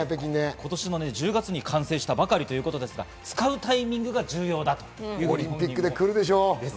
今年１０月に完成したばかりということですが、使うタイミングが重要だということです。